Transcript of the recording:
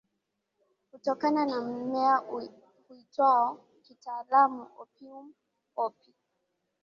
hutokana na mmea huitwao kitaalamu opium poppy